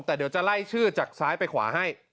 แต่เดี๋ยวจะไล่ชื่อจากซ้ายไปขวาให้